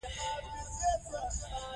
ماري کوري ولې د پیچبلېند کان مطالعه وکړه؟